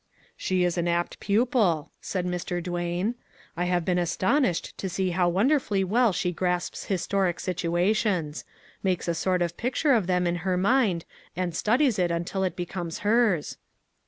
" She is an apt pupil," said Mr. Duane. " I MAG AND MARGARET have been astonished to see how wonderfully well she grasps historic situations; makes a sort of picture of them in her mind, and studies it until it becomes hers."